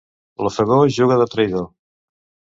L'ofegor juga de traïdor.